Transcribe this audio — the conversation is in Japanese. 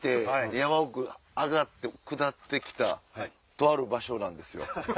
山上がって下って来たとある場所なんですよ。